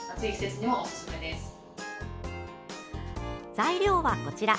材料はこちら。